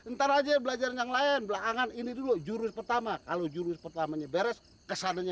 ntar aja belajar yang lain belakangan ini dulu jurus pertama kalau jurus pertamanya beres kesananya